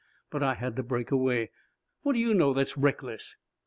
But I had to break away. What do you know that's reckless?"